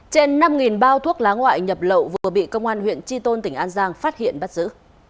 trên năm bao thuốc lá ngoại nhập lậu vừa bị công an huyện tri tôn tỉnh an giang phát hiện bắt giữ